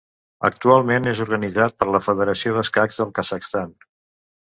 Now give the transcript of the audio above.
Actualment és organitzat per la Federació d'Escacs del Kazakhstan.